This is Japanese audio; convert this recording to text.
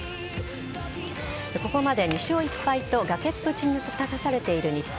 ここまで２勝１敗と崖っぷちに立たされている日本。